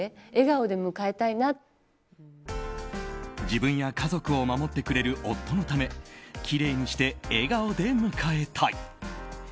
自分や家族を守ってくれる夫のためきれいにして笑顔で迎えたい。